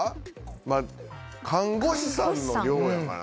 まあ看護師さんの寮やからな。